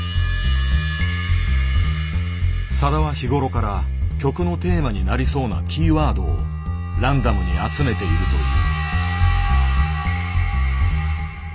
さだは日頃から曲のテーマになりそうなキーワードをランダムに集めているという。